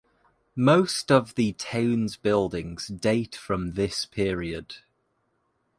Most of the towns buildings date from this period.